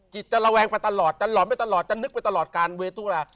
จะระแวงไปตลอดจะหลอนไปตลอดจะนึกไปตลอดการเวตุลา